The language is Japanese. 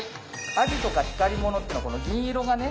アジとか光り物っていうのは銀色がね